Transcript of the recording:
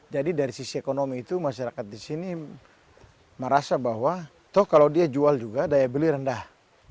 jadi dari sisi ekonomi itu masyarakat di sini merasa bahwa kalau dia jual juga daya beli rendah